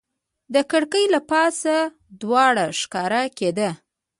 د کړکۍ له پاسه دوړه ښکاره کېده.